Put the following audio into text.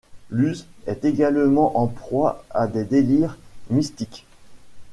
Luz est également en proie à des délires mystiques.